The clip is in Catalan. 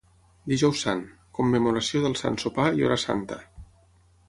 Dijous Sant: commemoració del Sant Sopar i Hora Santa.